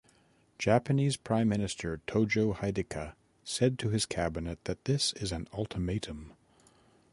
Japanese Prime Minister Tojo Hideki said to his cabinet that this is an ultimatum.